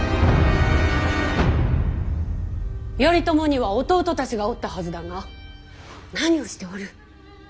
頼朝には弟たちがおったはずだが何をしておる。